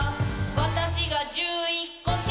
私が１１個下」